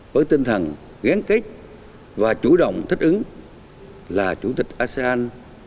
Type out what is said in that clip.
với tinh thần ghen kích và chủ động thất ứng là chủ tịch asean